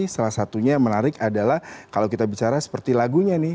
salah satunya yang menarik adalah kalau kita bicara seperti lagunya nih